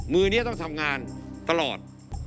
มือนี้ต้องทำงานตลอด